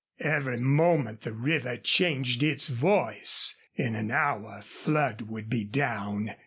Every moment the river changed its voice. In an hour flood would be down.